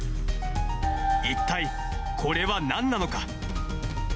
一体これはなんなのか。